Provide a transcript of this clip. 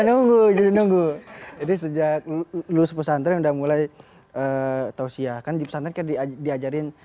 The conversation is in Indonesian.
nunggu jadi nunggu jadi sejak lulus pesantren udah mulai tausiyah kan di pesantren diajarin